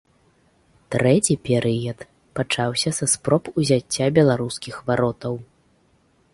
Трэці перыяд пачаўся са спроб узяцця беларускіх варотаў.